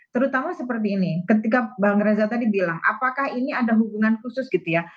terutama seperti ini ketika bang reza tadi bilang apakah ini ada hubungan khusus gitu ya